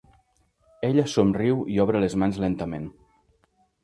Ella somriu i obre les mans lentament.